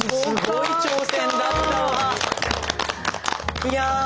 いや。